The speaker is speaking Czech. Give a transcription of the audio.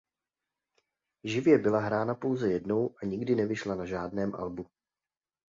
Živě byla hrána pouze jednou a nikdy nevyšla na žádném albu.